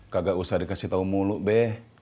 kagak usah dikasih tau mulu be